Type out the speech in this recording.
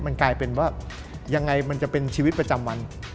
มันกลายเป็นว่ายังไงมันจะเป็นชีวิตประจำวัน